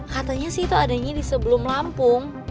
katanya sih itu adanya di sebelum lampung